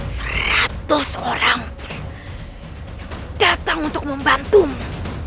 seratus orang datang untuk membantumu